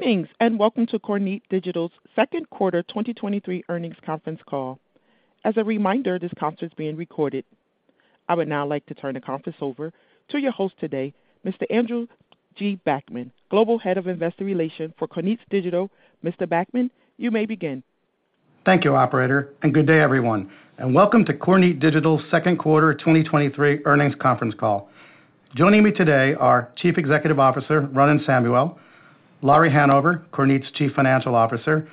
Greetings, and welcome to Kornit Digital's Second Quarter 2023 Earnings Conference Call. As a reminder, this conference is being recorded. I would now like to turn the conference over to your host today, Mr. Andrew G. Backman, Global Head of Investor Relations for Kornit Digital. Mr. Backman, you may begin. Thank you, operator, and good day, everyone, and welcome to Kornit Digital's second quarter 2023 earnings conference call. Joining me today are Chief Executive Officer, Ronen Samuel, Lauri Hanover, Kornit's Chief Financial Officer,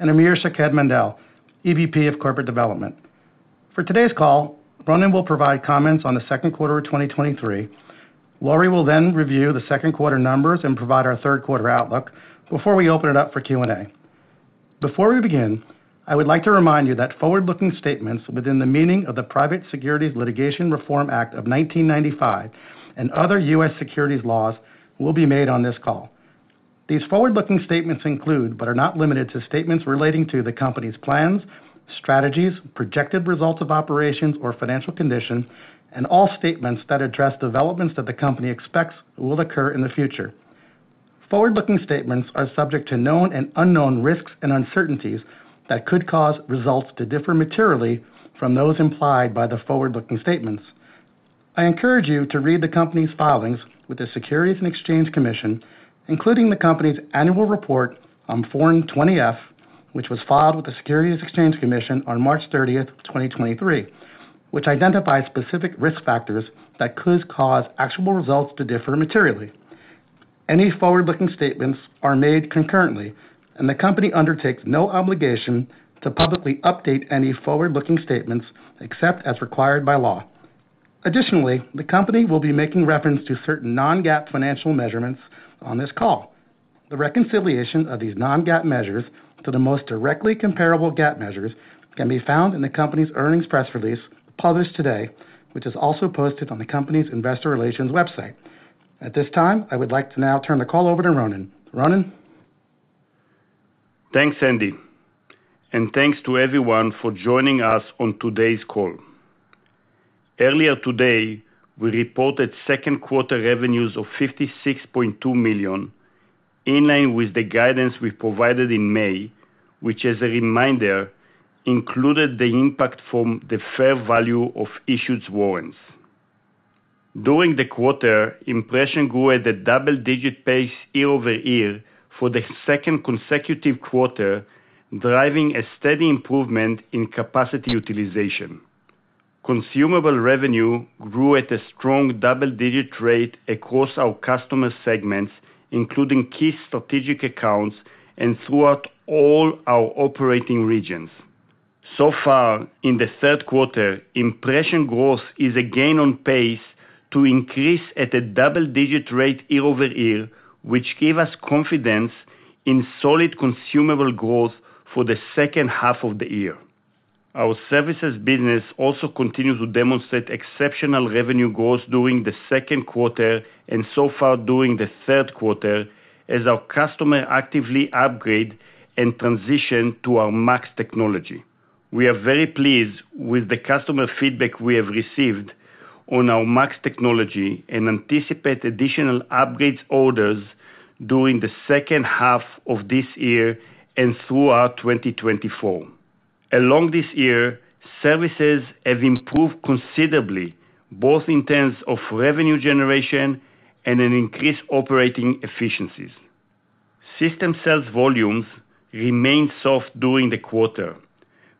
and Amir Shaked-Mandel, EVP of Corporate Development. For today's call, Ronen will provide comments on the second quarter of 2023. Lauri will then review the second quarter numbers and provide our third quarter outlook before we open it up for Q&A. Before we begin, I would like to remind you that forward-looking statements within the meaning of the Private Securities Litigation Reform Act of 1995 and other U.S. securities laws will be made on this call. These forward-looking statements include, but are not limited to, statements relating to the company's plans, strategies, projected results of operations, or financial conditions, and all statements that address developments that the company expects will occur in the future. Forward-looking statements are subject to known and unknown risks and uncertainties that could cause results to differ materially from those implied by the forward-looking statements. I encourage you to read the company's filings with the Securities and Exchange Commission, including the company's Annual Report on Form 20-F, which was filed with the Securities and Exchange Commission on March 30, 2023, which identifies specific risk factors that could cause actual results to differ materially. Any forward-looking statements are made concurrently, and the company undertakes no obligation to publicly update any forward-looking statements except as required by law. Additionally, the company will be making reference to certain non-GAAP financial measurements on this call. The reconciliation of these non-GAAP measures to the most directly comparable GAAP measures can be found in the company's earnings press release published today, which is also posted on the company's investor relations website. At this time, I would like to now turn the call over to Ronen. Ronen? Thanks, Andy, and thanks to everyone for joining us on today's call. Earlier today, we reported second quarter revenues of $56.2 million, in line with the guidance we provided in May, which, as a reminder, included the impact from the fair value of issued warrants. During the quarter, impression grew at a double-digit pace year-over-year for the second consecutive quarter, driving a steady improvement in capacity utilization. Consumable revenue grew at a strong double-digit rate across our customer segments, including key strategic accounts and throughout all our operating regions. Far, in the third quarter, impression growth is again on pace to increase at a double-digit rate year-over-year, which give us confidence in solid consumable growth for the second half of the year. Our services business also continues to demonstrate exceptional revenue growth during the second quarter and so far during the third quarter, as our customer actively upgrade and transition to our MAX technology. We are very pleased with the customer feedback we have received on our MAX technology and anticipate additional upgrades orders during the second half of this year and throughout 2024. Along this year, services have improved considerably, both in terms of revenue generation and in increased operating efficiencies. System sales volumes remained soft during the quarter,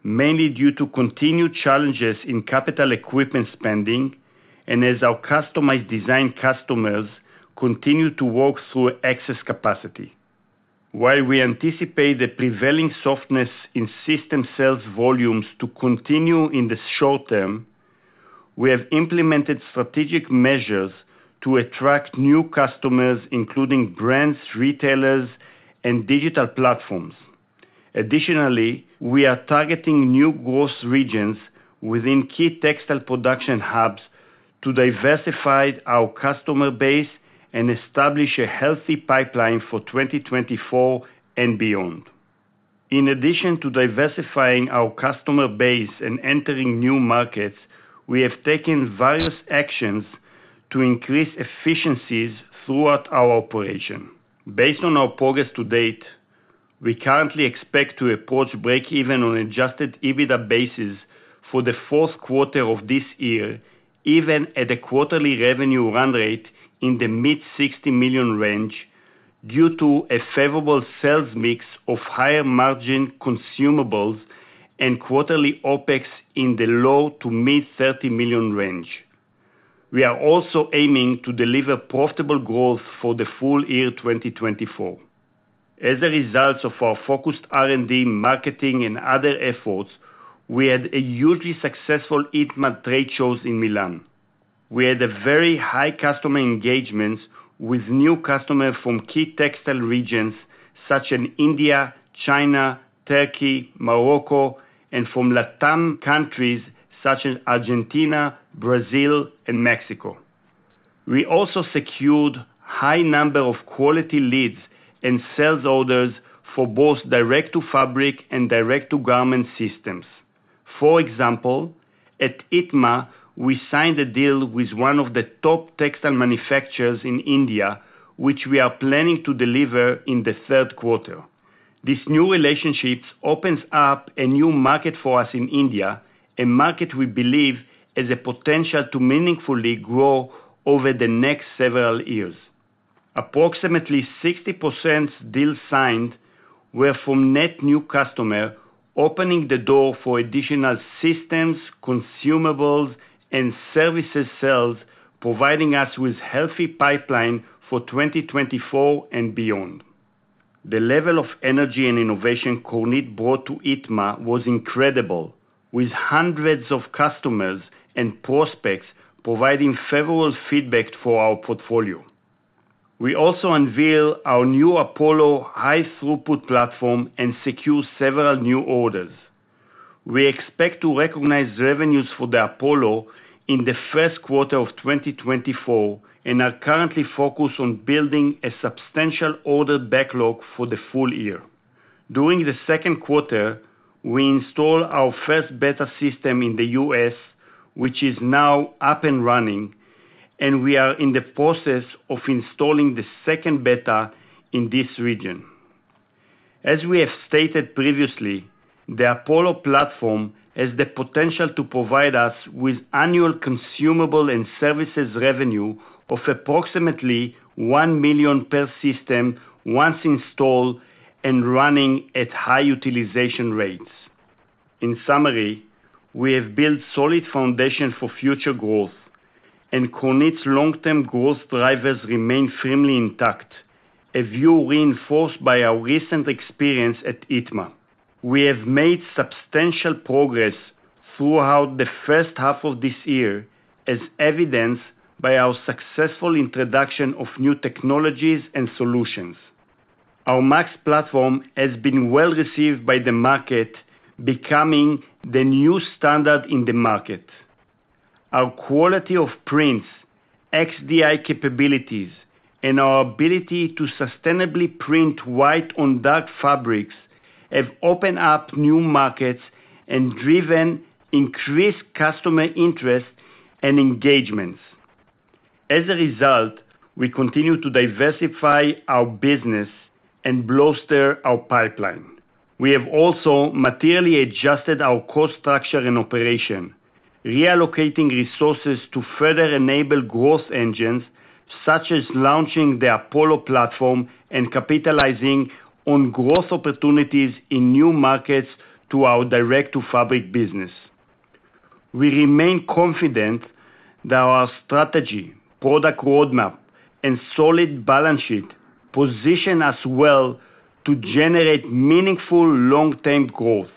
mainly due to continued challenges in capital equipment spending and as our customized design customers continue to work through excess capacity. While we anticipate the prevailing softness in system sales volumes to continue in the short term, we have implemented strategic measures to attract new customers, including brands, retailers, and digital platforms. Additionally, we are targeting new growth regions within key textile production hubs to diversify our customer base and establish a healthy pipeline for 2024 and beyond. In addition to diversifying our customer base and entering new markets, we have taken various actions to increase efficiencies throughout our operation. Based on our progress to date, we currently expect to approach breakeven on adjusted EBITDA basis for the fourth quarter of this year, even at a quarterly revenue run rate in the mid $60 million range, due to a favorable sales mix of higher-margin consumables and quarterly OpEx in the low to mid $30 million range. We are also aiming to deliver profitable growth for the full year 2024. As a result of our focused R&D, marketing, and other efforts, we had a hugely successful ITMA trade shows in Milan. We had a very high customer engagements with new customers from key textile regions such as India, China, Turkey, Morocco, and from Latam countries such as Argentina, Brazil, and Mexico. We also secured high number of quality leads and sales orders for both direct-to-fabric and direct-to-garment systems. For example, at ITMA, we signed a deal with one of the top textile manufacturers in India, which we are planning to deliver in the third quarter. This new relationship opens up a new market for us in India, a market we believe has the potential to meaningfully grow over the next several years. Approximately 60% deals signed were from net new customer, opening the door for additional systems, consumables, and services sales, providing us with healthy pipeline for 2024 and beyond. The level of energy and innovation Kornit brought to ITMA was incredible, with hundreds of customers and prospects providing favorable feedback for our portfolio. We also unveil our new Apollo high-throughput platform and secure several new orders. We expect to recognize revenues for the Apollo in the first quarter of 2024, and are currently focused on building a substantial order backlog for the full year. During the second quarter, we installed our first beta system in the U.S., which is now up and running, and we are in the process of installing the second beta in this region. As we have stated previously, the Apollo platform has the potential to provide us with annual consumable and services revenue of approximately $1 million per system, once installed and running at high utilization rates. In summary, we have built solid foundation for future growth, and Kornit's long-term growth drivers remain firmly intact, a view reinforced by our recent experience at ITMA. We have made substantial progress throughout the first half of this year, as evidenced by our successful introduction of new technologies and solutions. Our MAX platform has been well received by the market, becoming the new standard in the market. Our quality of prints, XDi capabilities, and our ability to sustainably print white on dark fabrics, have opened up new markets and driven increased customer interest and engagements. As a result, we continue to diversify our business and bolster our pipeline. We have also materially adjusted our cost structure and operation, reallocating resources to further enable growth engines, such as launching the Apollo platform and capitalizing on growth opportunities in new markets to our direct-to-fabric business. We remain confident that our strategy, product roadmap, and solid balance sheet position us well to generate meaningful long-term growth.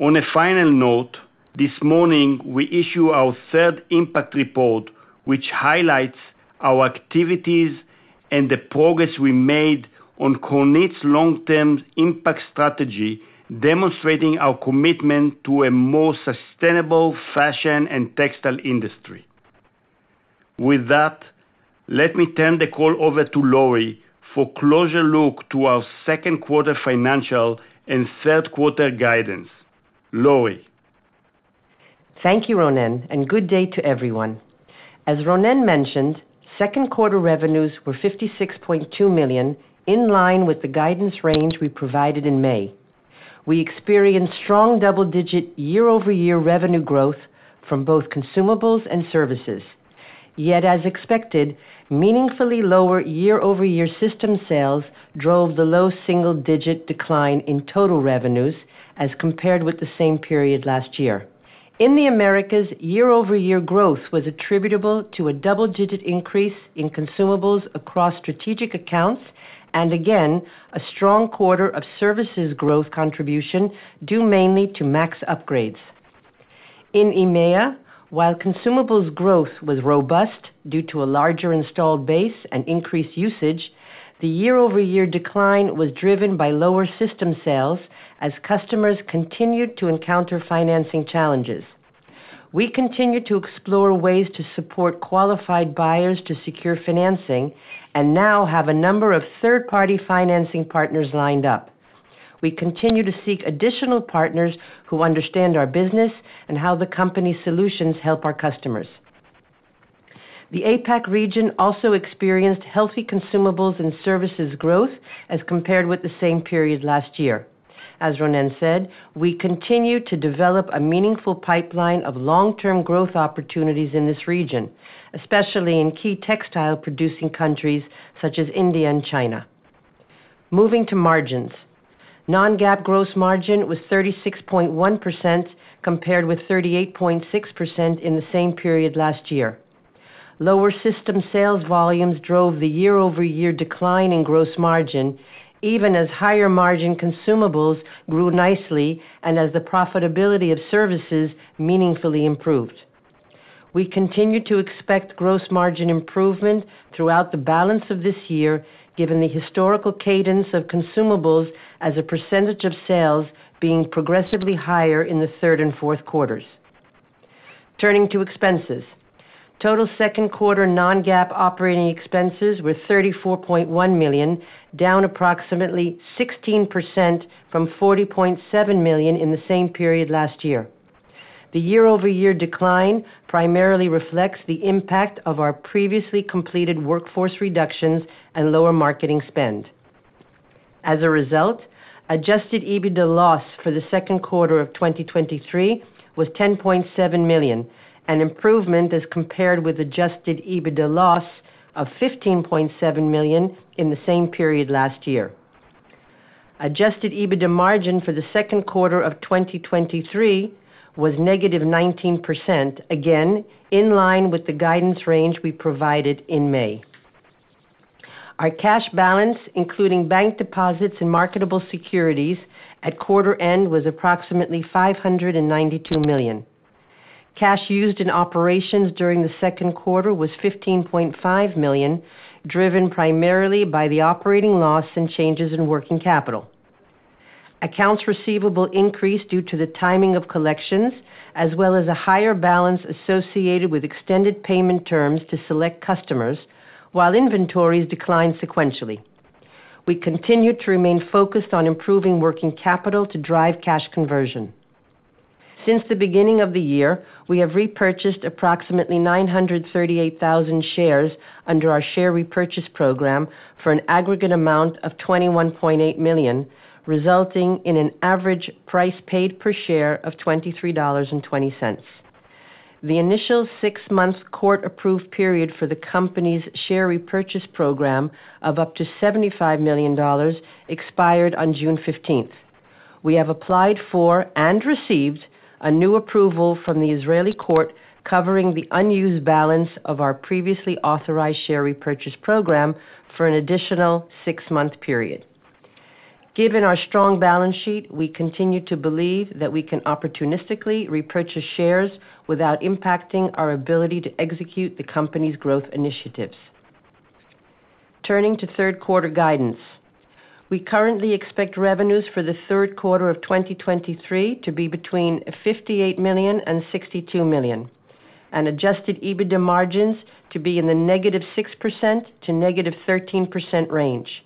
On a final note, this morning, we issue our third impact report, which highlights our activities and the progress we made on Kornit's long-term impact strategy, demonstrating our commitment to a more sustainable fashion and textile industry. With that, let me turn the call over to Lauri for closer look to our second quarter financial and third quarter guidance. Lauri? Thank you, Ronen. Good day to everyone. As Ronen mentioned, second quarter revenues were $56.2 million, in line with the guidance range we provided in May. We experienced strong double-digit year-over-year revenue growth from both consumables and services. As expected, meaningfully lower year-over-year system sales drove the low single-digit decline in total revenues as compared with the same period last year. In the Americas, year-over-year growth was attributable to a double-digit increase in consumables across strategic accounts, and again, a strong quarter of services growth contribution, due mainly to MAX upgrades. In EMEA, while consumables growth was robust due to a larger installed base and increased usage, the year-over-year decline was driven by lower system sales, as customers continued to encounter financing challenges. We continue to explore ways to support qualified buyers to secure financing, and now have a number of third-party financing partners lined up. We continue to seek additional partners who understand our business and how the company's solutions help our customers. The APAC region also experienced healthy consumables and services growth as compared with the same period last year. As Ronen said, we continue to develop a meaningful pipeline of long-term growth opportunities in this region, especially in key textile-producing countries such as India and China. Moving to margins. Non-GAAP gross margin was 36.1%, compared with 38.6% in the same period last year. Lower system sales volumes drove the year-over-year decline in gross margin, even as higher margin consumables grew nicely and as the profitability of services meaningfully improved. We continue to expect gross margin improvement throughout the balance of this year, given the historical cadence of consumables as a percentage of sales being progressively higher in the third and fourth quarters. Turning to expenses. Total second quarter non-GAAP operating expenses were $34.1 million, down approximately 16% from $40.7 million in the same period last year. The year-over-year decline primarily reflects the impact of our previously completed workforce reductions and lower marketing spend. As a result, adjusted EBITDA loss for the second quarter of 2023 was $10.7 million, an improvement as compared with adjusted EBITDA loss of $15.7 million in the same period last year. Adjusted EBITDA margin for the second quarter of 2023 was -19%, again, in line with the guidance range we provided in May. Our cash balance, including bank deposits and marketable securities at quarter end, was approximately $592 million. Cash used in operations during the second quarter was $15.5 million, driven primarily by the operating loss and changes in working capital. Accounts receivable increased due to the timing of collections, as well as a higher balance associated with extended payment terms to select customers, while inventories declined sequentially. We continued to remain focused on improving working capital to drive cash conversion. Since the beginning of the year, we have repurchased approximately 938,000 shares under our share repurchase program for an aggregate amount of $21.8 million, resulting in an average price paid per share of $23.20. The initial six-month court-approved period for the company's share repurchase program of up to $75 million expired on June 15. We have applied for and received a new approval from the Israeli court, covering the unused balance of our previously authorized share repurchase program for an additional six-month period. Given our strong balance sheet, we continue to believe that we can opportunistically repurchase shares without impacting our ability to execute the company's growth initiatives. Turning to third quarter guidance. We currently expect revenues for the third quarter of 2023 to be between $58 million and $62 million, and adjusted EBITDA margins to be in the -6% to -13% range.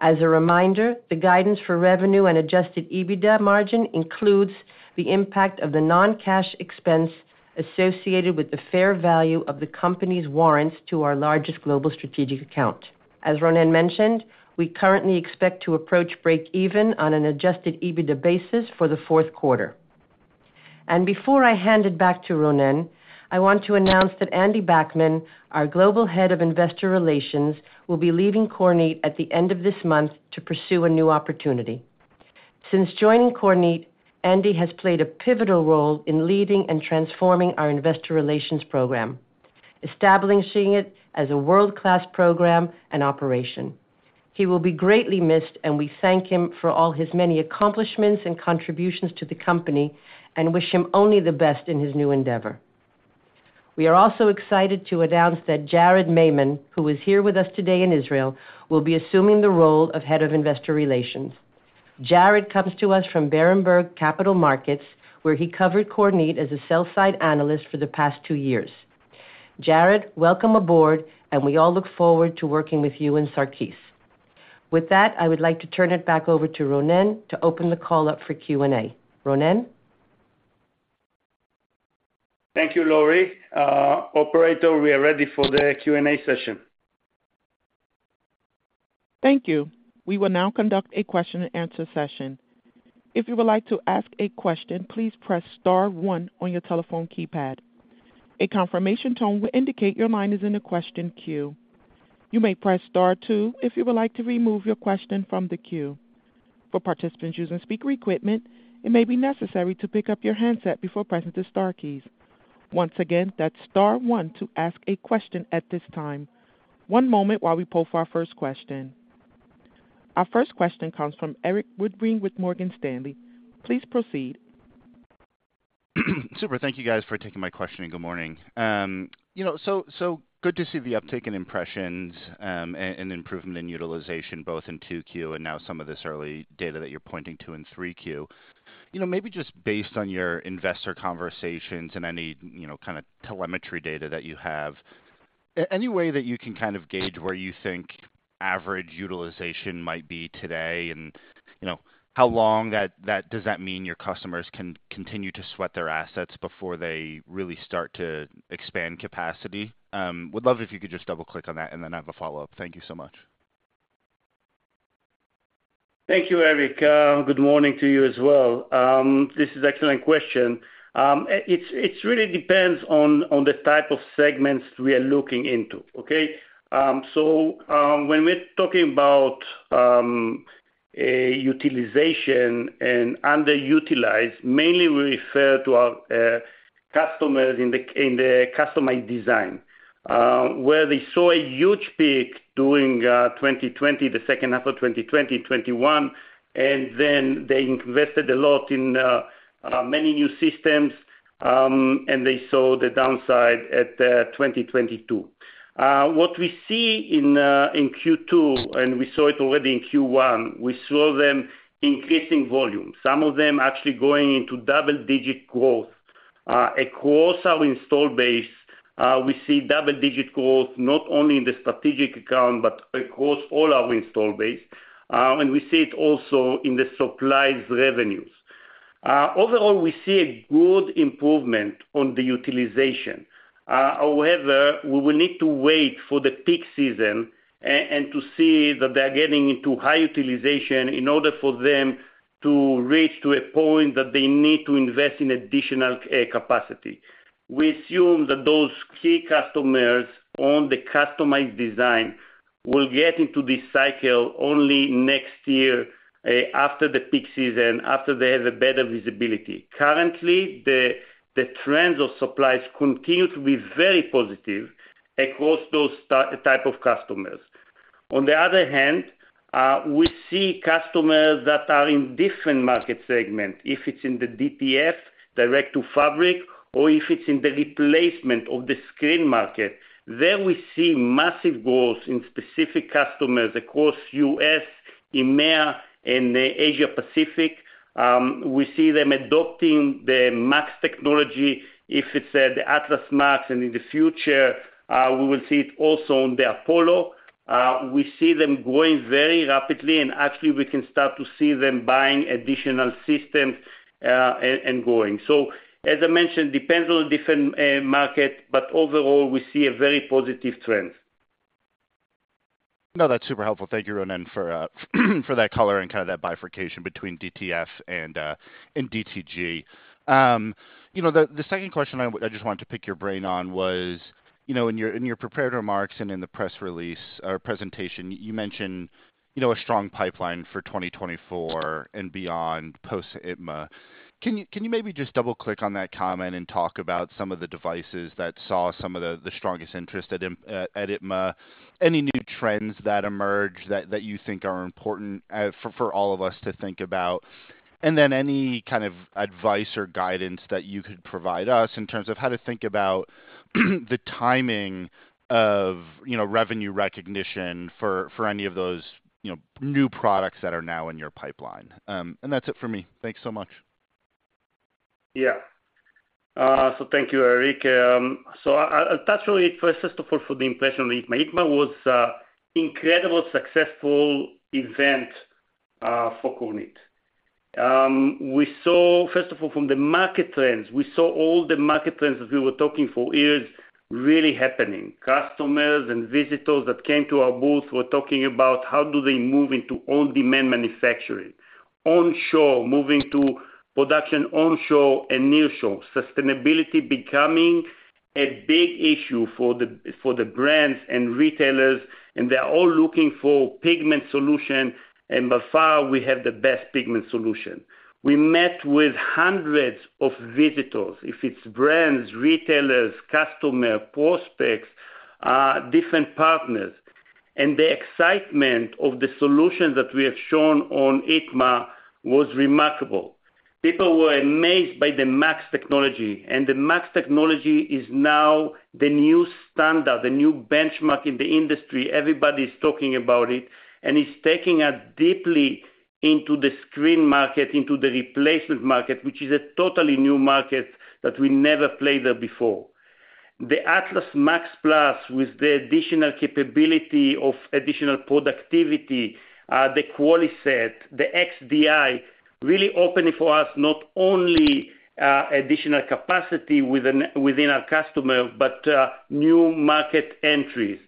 As a reminder, the guidance for revenue and adjusted EBITDA margin includes the impact of the non-cash expense associated with the fair value of the company's warrants to our largest global strategic account. As Ronen mentioned, we currently expect to approach break-even on an adjusted EBITDA basis for the fourth quarter. Before I hand it back to Ronen, I want to announce that Andy Backman, our Global Head of Investor Relations, will be leaving Kornit at the end of this month to pursue a new opportunity. Since joining Kornit, Andy has played a pivotal role in leading and transforming our investor relations program, establishing it as a world-class program and operation. He will be greatly missed, and we thank him for all his many accomplishments and contributions to the company, and wish him only the best in his new endeavor. We are also excited to announce that Jared Maymon, who is here with us today in Israel, will be assuming the role of Head of Investor Relations. Jared comes to us from Berenberg Capital Markets, where he covered Kornit as a sell-side analyst for the past two years. Jared, welcome aboard, and we all look forward to working with you and Sarkis. With that, I would like to turn it back over to Ronen to open the call up for Q&A. Ronen? Thank you, Lauri. Operator, we are ready for the Q&A session. Thank you. We will now conduct a question-and-answer session. If you would like to ask a question, please press star one on your telephone keypad. A confirmation tone will indicate your line is in the question queue. You may press star two if you would like to remove your question from the queue. For participants using speaker equipment, it may be necessary to pick up your handset before pressing the star keys. Once again, that's star 1 to ask a question at this time. One moment while we poll for our first question. Our first question comes from Erik Woodring with Morgan Stanley. Please proceed. Super. Thank you, guys, for taking my question. Good morning. You know, so, so good to see the uptick in impressions, and improvement in utilization, both in 2Q and now some of this early data that you're pointing to in 3Q. You know, maybe just based on your investor conversations and any, you know, kind of telemetry data that you have, any way that you can kind of gauge where you think average utilization might be today, and, you know, how long does that mean your customers can continue to sweat their assets before they really start to expand capacity? Would love if you could just double-click on that, and then I have a follow-up. Thank you so much. Thank you, Erik, good morning to you as well. This is excellent question. It's really depends on, on the type of segments we are looking into, okay? When we're talking about a utilization and underutilized, mainly we refer to our customers in the customized design, where they saw a huge peak during 2020, the second half of 2020, 2021, and then they invested a lot in many new systems, and they saw the downside at 2022. What we see in Q2, and we saw it already in Q1, we saw them increasing volume, some of them actually going into double-digit growth. Across our install base, we see double-digit growth, not only in the strategic account, but across all our install base. We see it also in the supplies revenues. Overall, we see a good improvement on the utilization. However, we will need to wait for the peak season and to see that they're getting into high utilization in order for them to reach to a point that they need to invest in additional capacity. We assume that those key customers on the customized design will get into this cycle only next year, after the peak season, after they have a better visibility. Currently, the trends of supplies continue to be very positive across those type of customers. On the other hand, we see customers that are in different market segment, if it's in the DTF, Direct-to-Fabric, or if it's in the replacement of the screen market, there we see massive growth in specific customers across U.S., EMEA, and Asia Pacific. We see them adopting the MAX technology, if it's, the Atlas MAX, and in the future, we will see it also on the Apollo. We see them growing very rapidly, and actually we can start to see them buying additional systems, and growing. As I mentioned, depends on different market, but overall, we see a very positive trend. No, that's super helpful. Thank you, Ronen, for that color and kind of that bifurcation between DTF and DTG. You know, the, the second question I just wanted to pick your brain on was, you know, in your, in your prepared remarks and in the press release or presentation, you mentioned, you know, a strong pipeline for 2024 and beyond, post-ITMA. Can you, can you maybe just double-click on that comment and talk about some of the devices that saw some of the strongest interest at ITMA? Any new trends that emerged that you think are important, for all of us to think about? Any kind of advice or guidance that you could provide us in terms of how to think about the timing of, you know, revenue recognition for, for any of those, you know, new products that are now in your pipeline? That's it for me. Thank you so much. Yeah. Thank you, Erik. First, first of all, for the impression on ITMA. ITMA was a incredible, successful event for Kornit. First of all, from the market trends, we saw all the market trends that we were talking for years really happening. Customers and visitors that came to our booth were talking about how do they move into on-demand manufacturing, onshore, moving to production onshore and nearshore, sustainability becoming a big issue for the, for the brands and retailers, and they're all looking for pigment solution, and by far, we have the best pigment solution. We met with hundreds of visitors, if it's brands, retailers, customer, prospects, different partners, and the excitement of the solutions that we have shown on ITMA was remarkable. People were amazed by the MAX technology, and the MAX technology is now the new standard, the new benchmark in the industry. Everybody's talking about it, and it's taking us deeply into the screen market, into the replacement market, which is a totally new market that we never played there before. The Atlas MAX Plus with the additional capability of additional productivity, the QualiSet, the XDi, really opening for us not only additional capacity within, within our customer, but new market entries.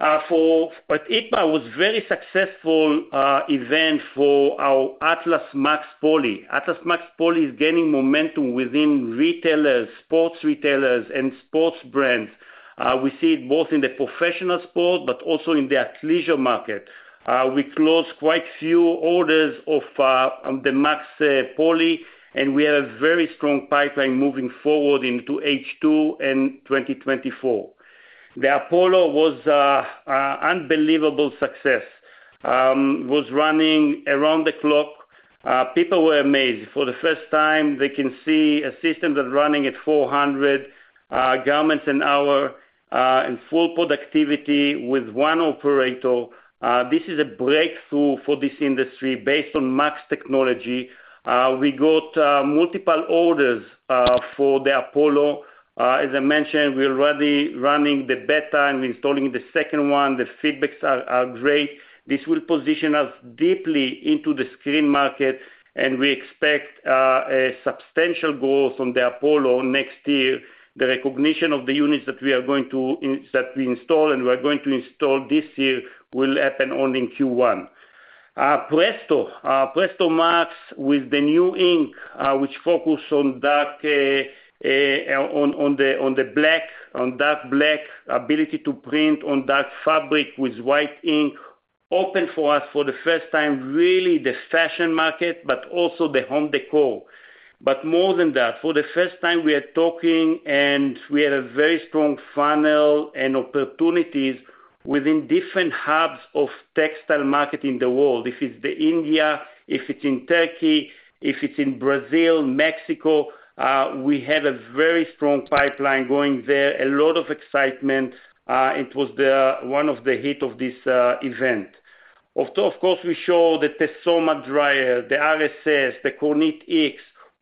ITMA was very successful event for our Atlas MAX Poly. Atlas MAX Poly is gaining momentum within retailers, sports retailers, and sports brands. We see it both in the professional sport, but also in the athleisure market. We closed quite few orders of the MAX Poly, and we have a very strong pipeline moving forward into H2 and 2024. The Apollo was a unbelievable success, was running around the clock. People were amazed. For the first time, they can see a system that's running at 400 garments an hour, in full productivity with one operator. This is a breakthrough for this industry based on MAX technology. We got multiple orders for the Apollo. As I mentioned, we're already running the beta and installing the second one. The feedbacks are great. This will position us deeply into the screen market, and we expect a substantial growth on the Apollo next year. The recognition of the units that we install and we are going to install this year will happen only in Q1. Presto. Presto MAX with the new ink, which focus on dark, on the black, on dark black, ability to print on dark fabric with white ink, opened for us, for the first time, really the fashion market, but also the home decor. More than that, for the first time, we are talking, and we had a very strong funnel and opportunities within different hubs of textile market in the world. If it's India, if it's in Turkey, if it's in Brazil, Mexico, we have a very strong pipeline going there, a lot of excitement. It was the, one of the hit of this event. Also, of course, we show the Tesoma dryer, the RSS, the KornitX.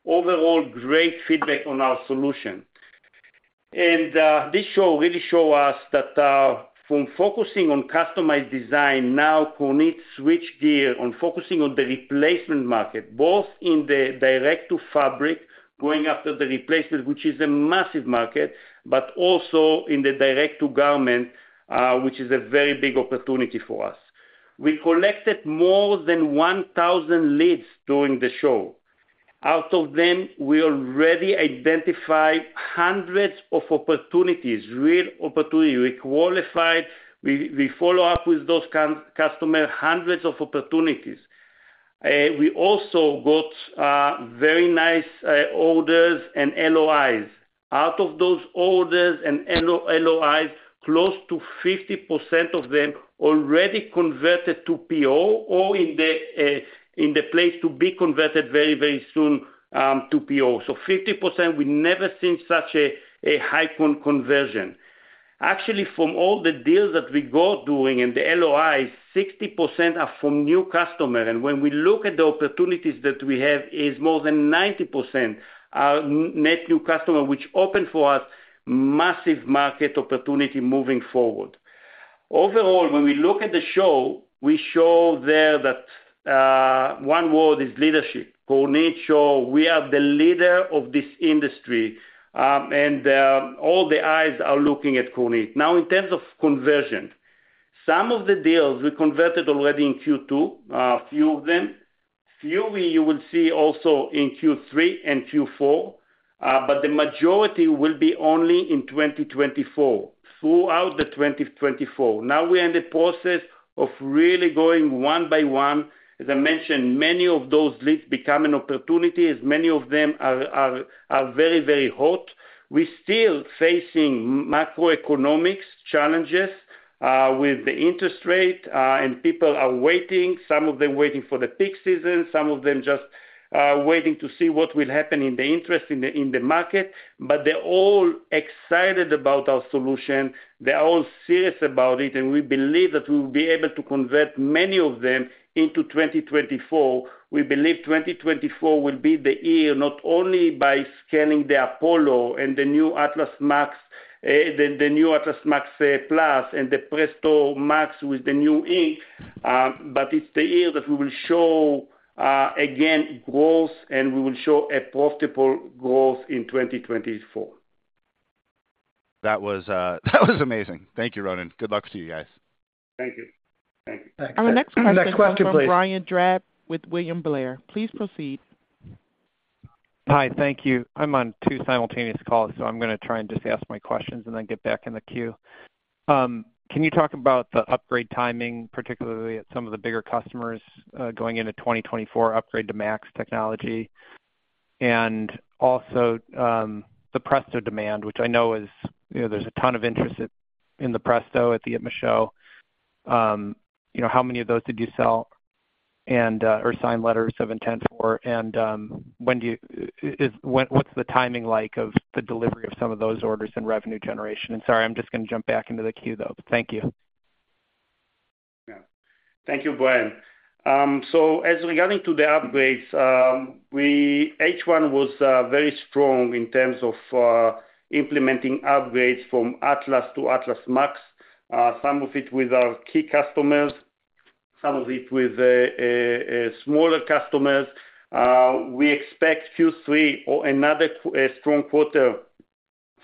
Overall, great feedback on our solution. This show really show us that, from focusing on customized design, now Kornit switch gear on focusing on the replacement market, both in the direct-to-fabric, going after the replacement, which is a massive market, but also in the direct-to-garment, which is a very big opportunity for us. We collected more than 1,000 leads during the show. Out of them, we already identified hundreds of opportunities, real opportunity. We qualified, we follow up with those customer, hundreds of opportunities. We also got, very nice, orders and LOIs. Out of those orders and LOIs, close to 50% of them already converted to PO or in the place to be converted very, very soon, to PO. 50%, we never seen such a high conversion. Actually, from all the deals that we got during, and the LOIs, 60% are from new customer, and when we look at the opportunities that we have, is more than 90% are net new customer, which opened for us massive market opportunity moving forward. Overall, when we look at the show, we show there that one word is leadership. Kornit show we are the leader of this industry, and all the eyes are looking at Kornit. Now, in terms of conversion, some of the deals we converted already in Q2, a few of them. Few you will see also in Q3 and Q4, but the majority will be only in 2024, throughout 2024. Now we're in the process of really going one by one. As I mentioned, many of those leads become an opportunities, many of them are, are, are very, very hot. We still facing macroeconomics challenges with the interest rate, people are waiting. Some of them waiting for the peak season, some of them just waiting to see what will happen in the interest in the, in the market. They're all excited about our solution, they're all serious about it, and we believe that we'll be able to convert many of them into 2024. We believe 2024 will be the year, not only by scaling the Apollo and the new Atlas MAX, the new Atlas MAX Plus, and the Presto MAX with the new ink, but it's the year that we will show again, growth, and we will show a profitable growth in 2024. That was, that was amazing. Thank you, Ronen. Good luck to you guys. Thank you. Thank you. Next question, please. Our next question comes from Brian Drab with William Blair. Please proceed. Hi, thank you. I'm on two simultaneous calls, so I'm gonna try and just ask my questions and then get back in the queue. Can you talk about the upgrade timing, particularly at some of the bigger customers, going into 2024, upgrade to MAX technology? Also, the Presto demand, which I know is, you know, there's a ton of interest at, in the Presto at the ITMA show. You know, how many of those did you sell? Or sign letters of intent for, what's the timing like of the delivery of some of those orders and revenue generation? Sorry, I'm just gonna jump back into the queue, though. Thank you. Yeah. Thank you, Brian. As regarding to the upgrades, H1 was very strong in terms of implementing upgrades from Atlas to Atlas MAX. Some of it with our key customers, some of it with smaller customers. We expect Q3, or another strong quarter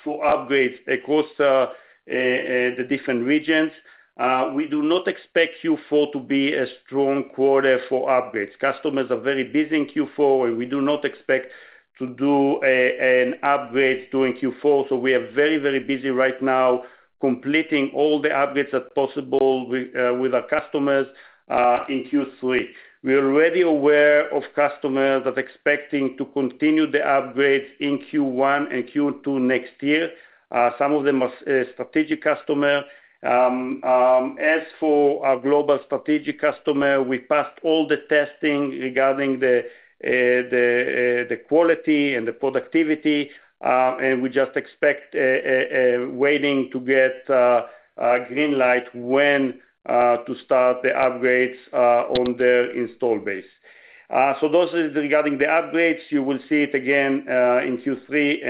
for upgrades across the different regions. We do not expect Q4 to be a strong quarter for upgrades. Customers are very busy in Q4, and we do not expect to do an upgrade during Q4. We are very, very busy right now completing all the upgrades that possible with our customers in Q3. We're already aware of customers that expecting to continue the upgrades in Q1 and Q2 next year, some of them are strategic customer. As for our global strategic customer, we passed all the testing regarding the quality and the productivity, and we just expect waiting to get a green light when to start the upgrades on their install base. Those is regarding the upgrades. You will see it again in Q3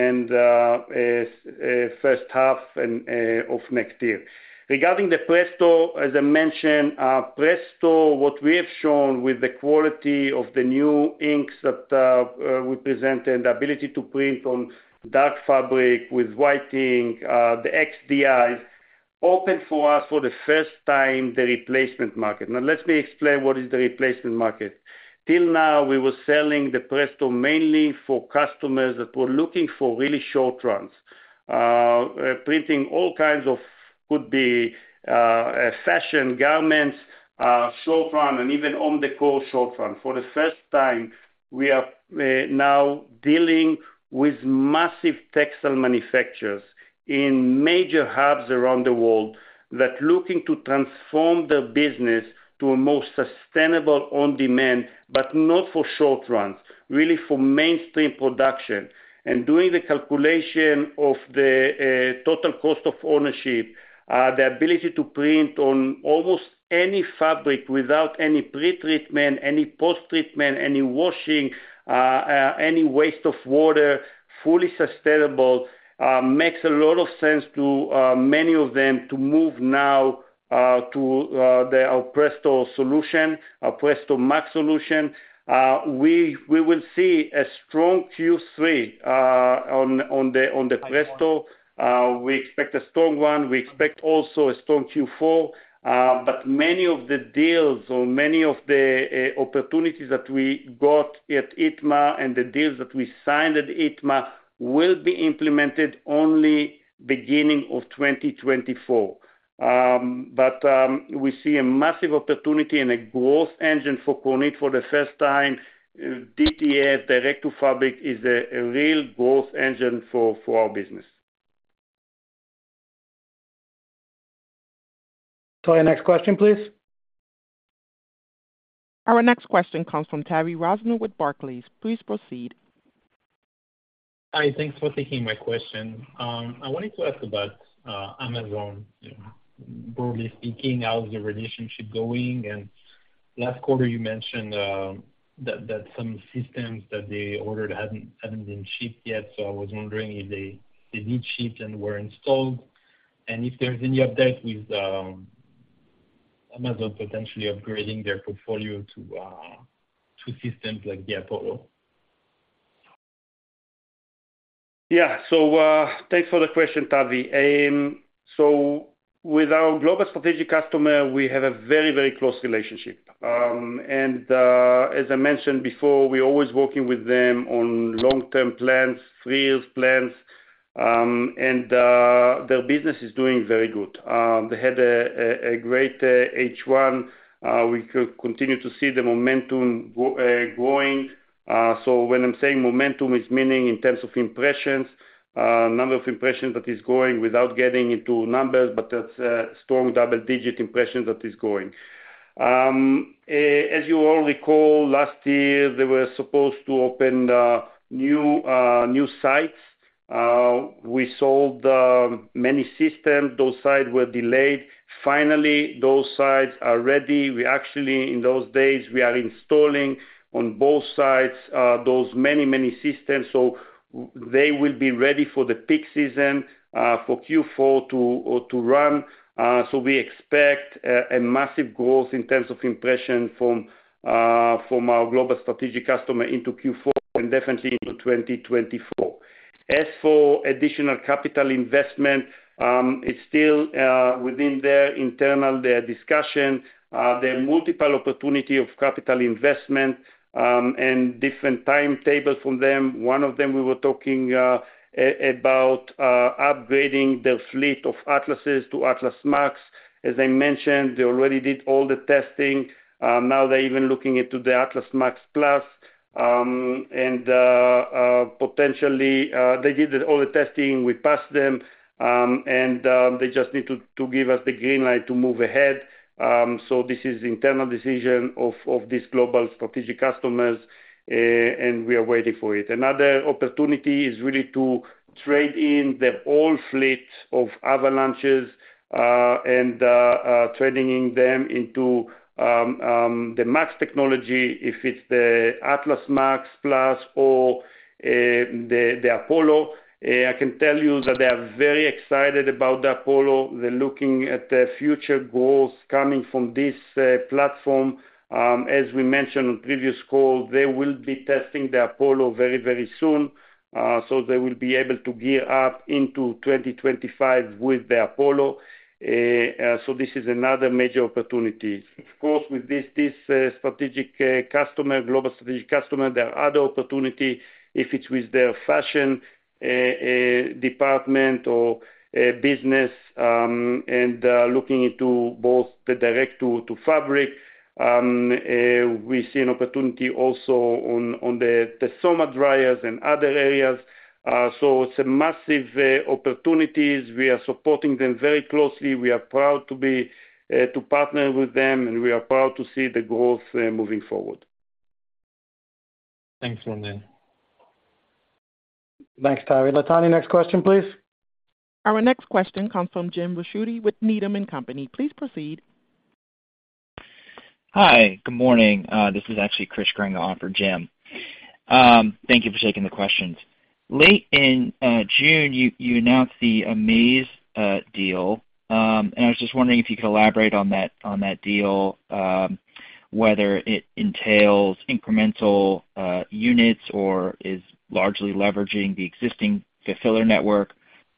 and first half of next year. Regarding the Presto, as I mentioned, Presto, what we have shown with the quality of the new inks that we presented, the ability to print on dark fabric with white ink, the XDi, opened for us for the first time, the replacement market. Now let me explain what is the replacement market. Till now, we were selling the Presto mainly for customers that were looking for really short runs. Printing all kinds of, could be, fashion garments, short run and even on the core short run. For the first time, we are now dealing with massive textile manufacturers in major hubs around the world that looking to transform their business to a more sustainable on-demand, but not for short runs, really for mainstream production. Doing the calculation of the total cost of ownership, the ability to print on almost any fabric without any pretreatment, any post-treatment, any washing, any waste of water, fully sustainable, makes a lot of sense to many of them to move now to our Presto solution, our Presto MAX solution. We will see a strong Q3 on the Presto. We expect a strong one. We expect also a strong Q4. Many of the deals or many of the opportunities that we got at ITMA and the deals that we signed at ITMA will be implemented only beginning of 2024. We see a massive opportunity and a growth engine for Kornit for the first time. DTA, direct-to-fabric, is a real growth engine for our business. Latonya, next question, please. Our next question comes from Tavy Rosner with Barclays. Please proceed. Hi, thanks for taking my question. I wanted to ask about Amazon. Broadly speaking, how is the relationship going? Last quarter you mentioned that some systems that they ordered hadn't been shipped yet, so I was wondering if they did ship and were installed, and if there's any update with Amazon potentially upgrading their portfolio to systems like the Apollo? Yeah. Thanks for the question, Tavy. With our global strategic customer, we have a very, very close relationship. As I mentioned before, we're always working with them on long-term plans, three year plans, their business is doing very good. They had a great H1. We could continue to see the momentum go growing. When I'm saying momentum, it's meaning in terms of impressions, number of impressions that is growing without getting into numbers, but that's a strong double-digit impression that is growing. As you all recall, last year, they were supposed to open new sites. We sold many systems. Those sites were delayed. Finally, those sites are ready. We actually, in those days, we are installing on both sites, those many, many systems, so they will be ready for the peak season, for Q4 to run. So we expect a massive growth in terms of impression from our global strategic customer into Q4 and definitely into 2024. As for additional capital investment, it's still within their internal, their discussion. There are multiple opportunity of capital investment and different timetables from them. One of them, we were talking about upgrading their fleet of Atlases to Atlas MAX. As I mentioned, they already did all the testing. Now they're even looking into the Atlas MAX Plus. Potentially, they did all the testing, we passed them, and they just need to give us the green light to move ahead. This is internal decision of these global strategic customers, and we are waiting for it. Another opportunity is really to trade in their old fleet of Avalanches, and trading in them into the MAX technology, if it's the Atlas MAX Plus or the Apollo. I can tell you that they are very excited about the Apollo. They're looking at the future growth coming from this platform. As we mentioned on previous call, they will be testing the Apollo very, very soon, so they will be able to gear up into 2025 with the Apollo. This is another major opportunity. Of course, with this, this strategic customer, global strategic customer, there are other opportunity, if it's with their fashion department or business, and looking into both the direct-to-fabric. We see an opportunity also on the Tesoma dryers and other areas. It's a massive opportunities. We are supporting them very closely. We are proud to be to partner with them, and we are proud to see the growth moving forward. Thanks, Ronen. Thanks, Tavy. Latonya, next question, please. Our next question comes from James Ricchiuti with Needham & Company. Please proceed. Hi, good morning. This is actually Chris Grenga offering for Jim. Thank you for taking the questions. Late in June, you, you announced the Amaze deal. I was just wondering if you could elaborate on that, on that deal, whether it entails incremental units or is largely leveraging the existing Fulfiller network,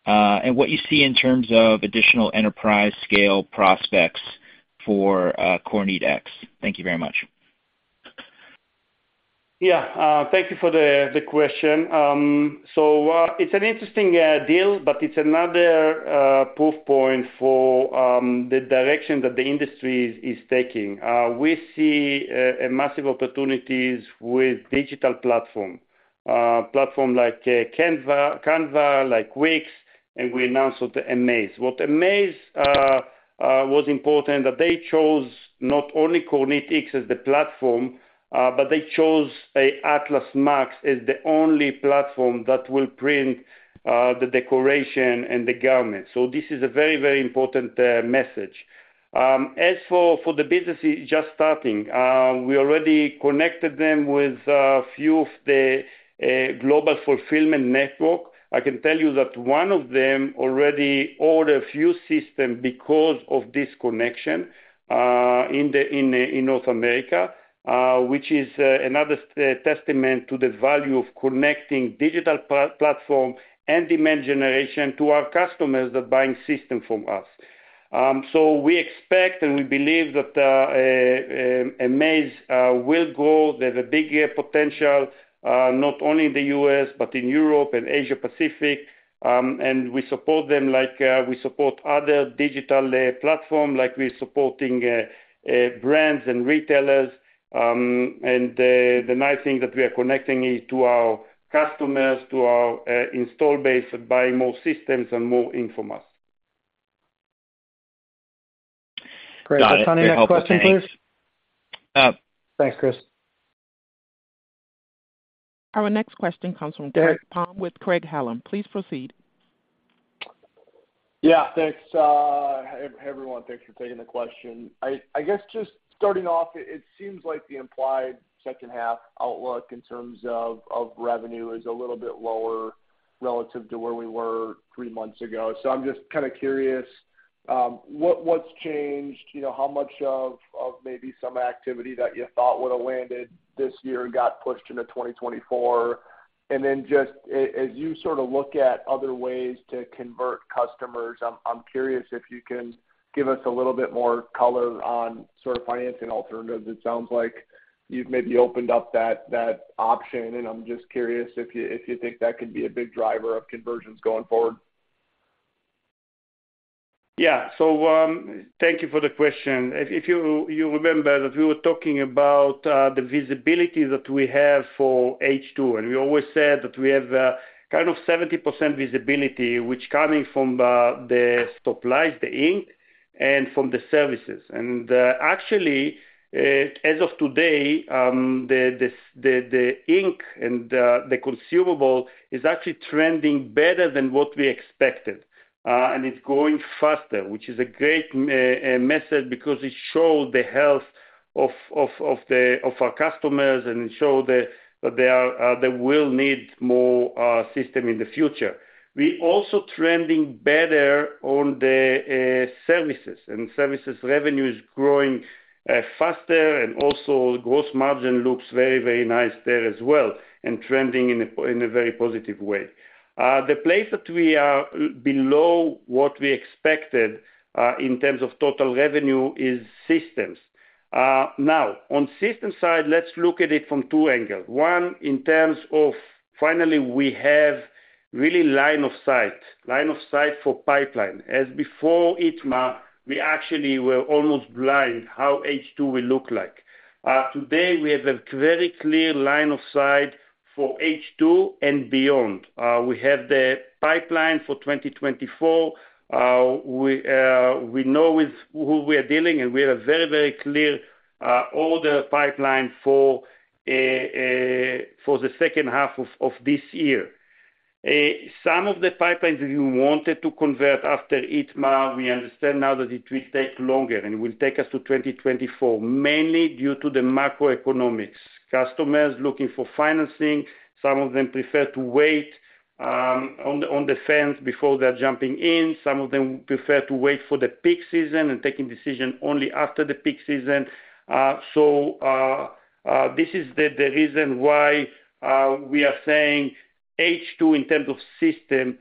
and what you see in terms of additional enterprise scale prospects for KornitX? Thank you very much. ... Yeah, thank you for the question. It's an interesting deal, but it's another proof point for the direction that the industry is taking. We see a massive opportunities with digital platform. Platform like Canva, Canva, like Wix, and we announced with the Amaze. What Amaze was important, that they chose not only KornitX as the platform, but they chose an Atlas MAX as the only platform that will print the decoration and the garment. This is a very, very important message. As for the business just starting, we already connected them with a few of the Global Fulfillment Network. I can tell you that one of them already ordered a few system because of this connection in North America, which is another testament to the value of connecting digital platform and demand generation to our customers that buying system from us. We expect, and we believe that Amaze will grow. There's a big potential not only in the U.S., but in Europe and Asia Pacific, and we support them like we support other digital platform, like we're supporting brands and retailers. The nice thing that we are connecting is to our customers, to our install base, buying more systems and more ink from us. Great. Next question, please? Uh. Thanks, Chris. Our next question comes from Greg Palm with Craig-Hallum. Please proceed. Yeah, thanks, everyone, thanks for taking the question. I, I guess just starting off, it seems like the implied second half outlook in terms of, of revenue is a little bit lower relative to where we were three months ago. I'm just kind of curious, what's changed? You know, how much of, of maybe some activity that you thought would have landed this year got pushed into 2024? Then just as you sort of look at other ways to convert customers, I'm, I'm curious if you can give us a little bit more color on sort of financing alternatives. It sounds like you've maybe opened up that, that option, and I'm just curious if you, if you think that could be a big driver of conversions going forward. Yeah. Thank you for the question. If, if you, you remember that we were talking about the visibility that we have for H2, and we always said that we have kind of 70% visibility, which coming from the supplies, the ink, and from the services. Actually, as of today, the ink and the consumable is actually trending better than what we expected, and it's growing faster, which is a great method, because it shows the health of our customers, and it show that they are-- they will need more system in the future. We also trending better on the services, and services revenue is growing faster, and also gross margin looks very, very nice there as well, and trending in a very positive way. The place that we are below what we expected in terms of total revenue is systems. Now, on system side, let's look at it from two angles. One, in terms of finally, we have really line of sight, line of sight for pipeline. Before ITMA, we actually were almost blind how H2 will look like. Today, we have a very clear line of sight for H2 and beyond. We have the pipeline for 2024. We know with who we are dealing, and we have a very, very clear order pipeline for the second half of this year. Some of the pipelines we wanted to convert after ITMA, we understand now that it will take longer, and it will take us to 2024, mainly due to the macroeconomics. Customers looking for financing, some of them prefer to wait on the, on the fence before they're jumping in. Some of them prefer to wait for the peak season and taking decision only after the peak season. This is the, the reason why we are saying H2, in terms of system,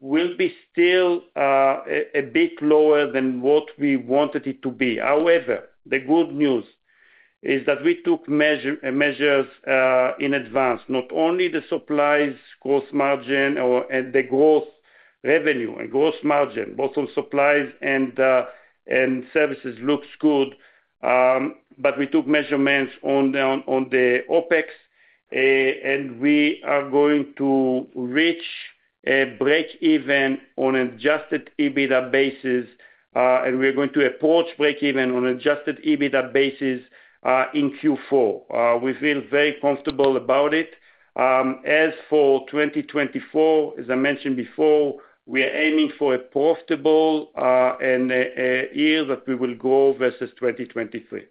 will be still a, a bit lower than what we wanted it to be. However, the good news is that we took measure, measures, in advance. Not only the supplies, gross margin or, and the growth revenue and gross margin, both on supplies and services looks good. We took measurements on the, on the OpEx, and we are going to reach a break even on adjusted EBITDA basis, and we're going to approach break even on adjusted EBITDA basis, in Q4. We feel very comfortable about it. As for 2024, as I mentioned before, we are aiming for a profitable and year that we will grow versus 2023.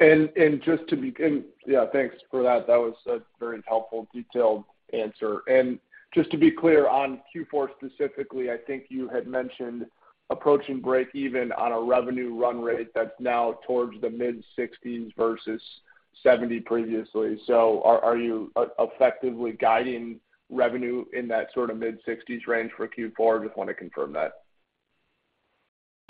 Yeah, thanks for that. That was a very helpful, detailed answer. Just to be clear, on Q4 specifically, I think you had mentioned approaching break even on a revenue run rate that's now towards the mid-$60s million versus $70 million previously. Are you effectively guiding revenue in that sort of mid-$60s million range for Q4? I just want to confirm that.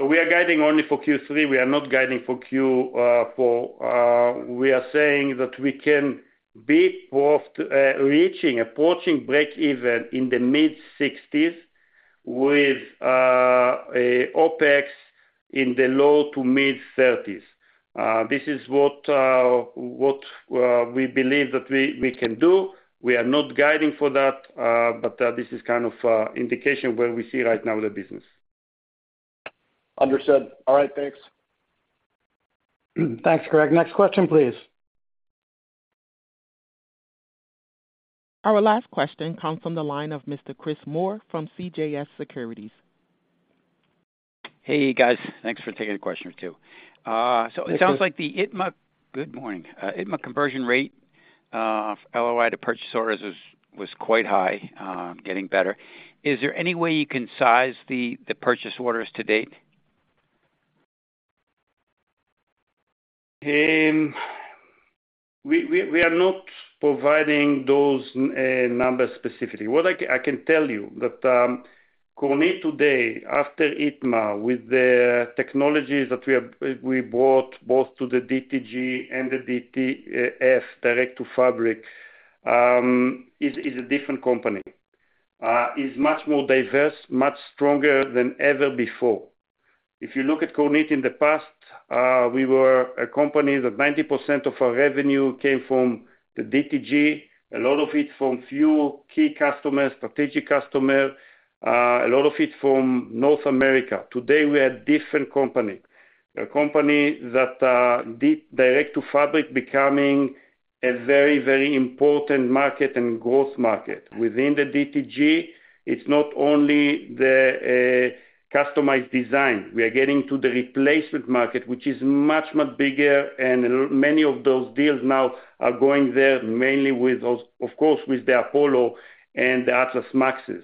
We are guiding only for Q3. We are not guiding for Q4. We are saying that we can be both reaching, approaching breakeven in the mid-60s with a OpEx in the low-30s to mid-30s. This is what what we believe that we, we can do. We are not guiding for that, but this is kind of indication where we see right now the business. Understood. All right, thanks. Thanks, Greg. Next question, please. Our last question comes from the line of Mr. Chris Moore from CJS Securities. Hey, guys. Thanks for taking the question too. it sounds like the ITMA- Good morning. Good morning. ITMA conversion rate of LOI to purchase orders is, was quite high, getting better. Is there any way you can size the purchase orders to date? We are not providing those numbers specifically. What I can tell you that Kornit today, after ITMA, with the technologies that we have, we brought both to the DTG and the DTF, Direct to Fabric, is a different company. Is much more diverse, much stronger than ever before. If you look at Kornit in the past, we were a company that 90% of our revenue came from the DTG, a lot of it from few key customers, strategic customers, a lot of it from North America. Today, we are a different company. A company that Direct to Fabric becoming a very, very important market and growth market. Within the DTG, it's not only the customized design. We are getting to the replacement market, which is much, much bigger, many of those deals now are going there, mainly with those, of course, with the Apollo and the Atlas MAXes.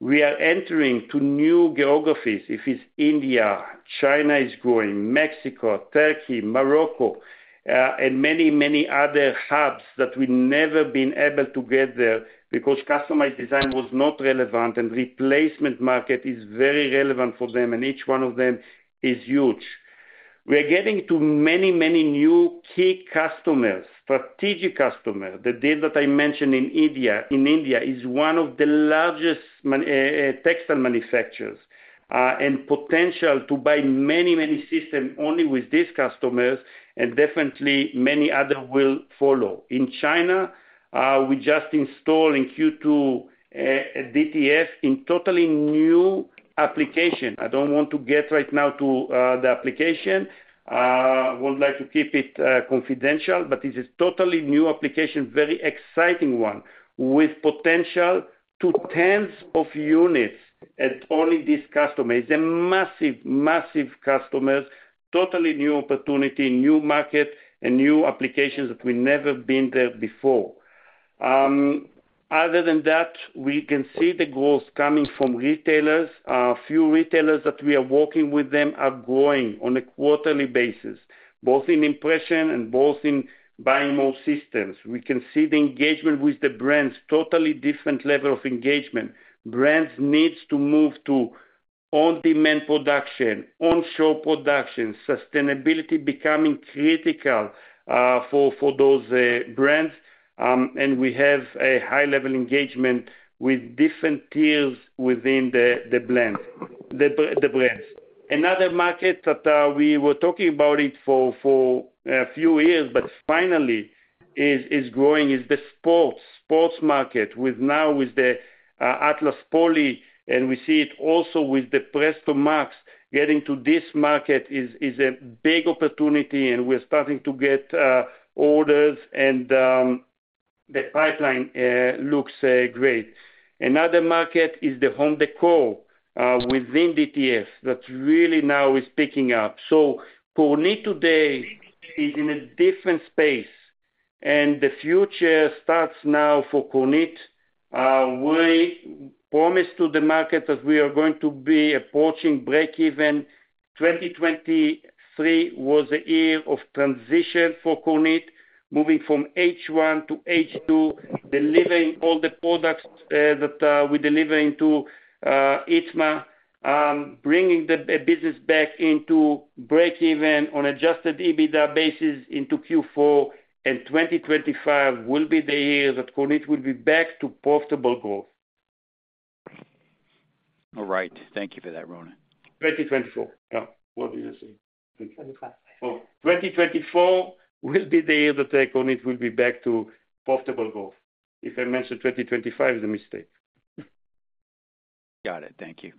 We are entering to new geographies. If it's India, China is growing, Mexico, Turkey, Morocco, and many, many other hubs that we've never been able to get there because customized design was not relevant, and replacement market is very relevant for them, and each one of them is huge. We are getting to many, many new key customers, strategic customers. The deal that I mentioned in India, in India, is one of the largest textile manufacturers, and potential to buy many, many systems only with these customers, and definitely many others will follow. China, we just installed in Q2, DTS in totally new application. I don't want to get right now to the application. Would like to keep it confidential, but this is totally new application, very exciting one, with potential to tens of units at only this customer. It's a massive, massive customer, totally new opportunity, new market and new applications that we've never been there before. Other than that, we can see the growth coming from retailers. A few retailers that we are working with them are growing on a quarterly basis, both in impression and both in buying more systems. We can see the engagement with the brands, totally different level of engagement. Brands need to move to on-demand production, on-shore production, sustainability becoming critical for, for those brands. We have a high-level engagement with different tiers within the brands. Another market that we were talking about it for, for a few years, but finally is, is growing, is the sports, sports market, with now with the Atlas Poly, and we see it also with the Presto MAX. Getting to this market is, is a big opportunity, and we're starting to get orders, and the pipeline looks great. Another market is the home decor within DTS, that really now is picking up. Kornit today is in a different space, and the future starts now for Kornit. We promise to the market that we are going to be approaching breakeven. 2023 was a year of transition for Kornit, moving from H1 to H2, delivering all the products that we're delivering to ITMA, bringing the business back into breakeven on adjusted EBITDA basis into Q4. 2025 will be the year that Kornit will be back to profitable growth. All right. Thank you for that, Ronen. 2024. Yeah. What did I say? 25. Oh, 2024 will be the year that Kornit will be back to profitable growth. If I mentioned 2025, is a mistake. Got it. Thank you.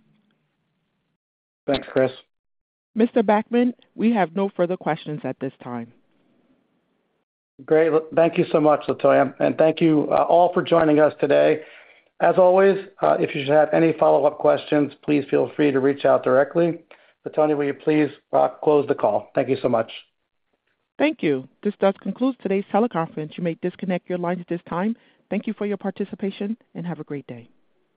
Thanks, Chris. Mr. Backman, we have no further questions at this time. Great. Thank you so much, Latonya, and thank you, all for joining us today. As always, if you should have any follow-up questions, please feel free to reach out directly. Latonya, will you please, close the call? Thank you so much. Thank you. This does conclude today's teleconference. You may disconnect your lines at this time. Thank you for your participation, and have a great day.